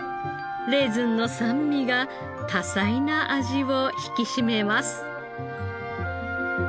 レーズンの酸味が多彩な味を引き締めます。